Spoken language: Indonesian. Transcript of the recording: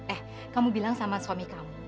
eh kamu bilang sama suami kamu